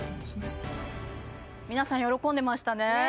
皆さん喜んでましたねねえ